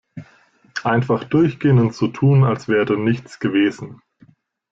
Einfach durchgehen und so tun, als wäre nichts gewesen!